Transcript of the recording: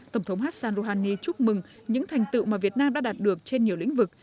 tổng thống hassan rouhani chúc mừng những thành tựu mà việt nam đã đạt được trên nhiều lĩnh vực